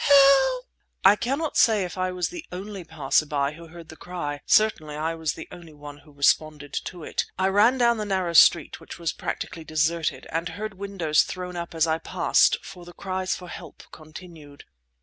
help!" I cannot say if I was the only passer by who heard the cry; certainly I was the only one who responded to it. I ran down the narrow street, which was practically deserted, and heard windows thrown up as I passed for the cries for help continued.